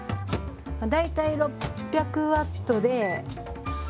大体６００ワットで。